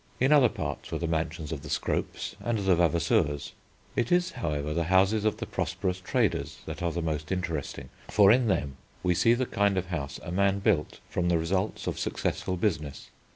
In other parts were the mansions of the Scropes and the Vavasours. It is, however, the houses of the prosperous traders that are the most interesting, for in them we see the kind of house a man built from the results of successful business.